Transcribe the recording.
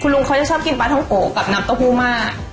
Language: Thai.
ลุงเขาจะชอบกินปลาท้องโกะกับน้ำเต้าหู้มาก